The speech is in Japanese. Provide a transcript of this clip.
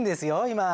今。